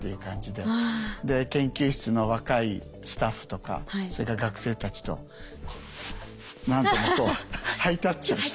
で研究室の若いスタッフとかそれから学生たちと何度もこうハイタッチをして。